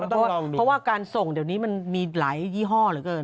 เพราะว่าการส่งเดี๋ยวนี้มันมีหลายยี่ห้อเหลือเกิน